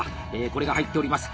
これが入っております。